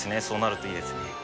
そうなるといいですね。